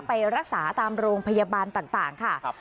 ไปรักษาตามโรงพยาบาลต่างค่ะ